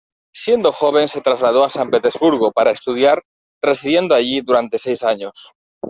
Siendo joven se trasladó a San Petersburgo para estudiar, residiendo allí durante seis años.